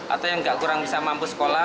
atau yang kurang bisa mampu sekolah